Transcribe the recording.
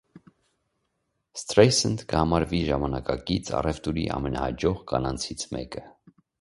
Սթրէյսընտ կը համարուի ժամանակակից առեւտուրի ամէնայաջող կանանցից մէկը։